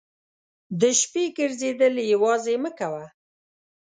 د شپې ګرځېدل یوازې مه کوه.